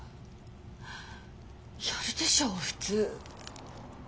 やるでしょ普通。